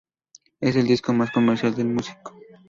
Es el disco más comercial del músico.